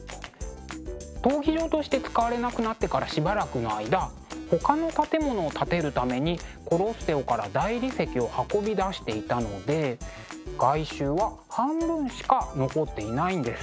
闘技場として使われなくなってからしばらくの間ほかの建物を建てるためにコロッセオから大理石を運び出していたので外周は半分しか残っていないんです。